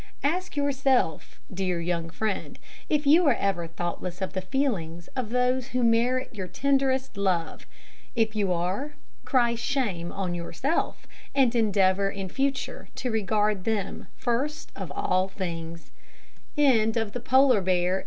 Ask yourself, dear young friend, if you are ever thoughtless of the feelings of those who merit your tenderest love. If you are, cry "Shame" on yourself, and endeavour in future to regard them first of all things.